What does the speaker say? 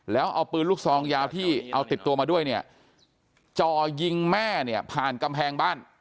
แล้วเอาปืนลูกซองยาวที่เอาติดตัวมาด้วยเนี่ยจ่อยิงแม่เนี่ยผ่านกำแพงบ้าน